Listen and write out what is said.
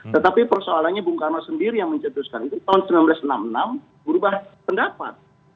tetapi persoalannya bung karno sendiri yang mencetuskan itu tahun seribu sembilan ratus enam puluh enam berubah pendapat